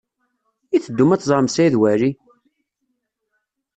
I teddum ad teẓrem Saɛid Waɛli?